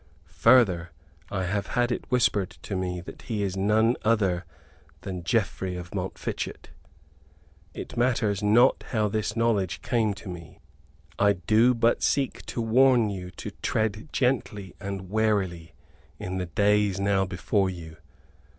Further, I have had it whispered to me that he is none other than Geoffrey of Montfichet. It matters not how this knowledge came to me; I do but seek to warn you to tread gently and warily in the days now before you.